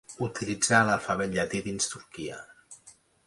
Utilitza l'alfabet llatí dins Turquia.